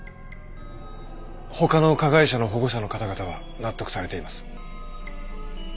ほかの加害者の保護者の方々は納得されています。